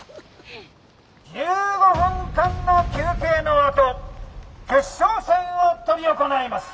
「１５分間の休憩のあと決勝戦を執り行います。